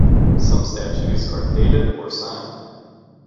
Some statues are dated or signed.